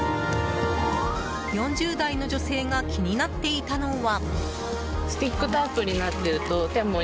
４０代の女性が気になっていたのは。